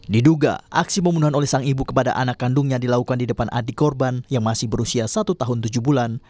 diduga aksi pembunuhan oleh sang ibu kepada anak kandungnya dilakukan di depan adik korban yang masih berusia satu tahun tujuh bulan